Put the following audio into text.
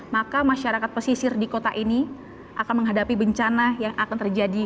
maka masyarakat pesisir di kota ini akan menghadapi bencana yang akan terjadi